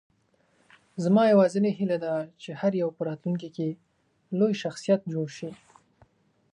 زما یوازینۍ هیله ده، چې هر یو په راتلونکې کې لوی شخصیت جوړ شي.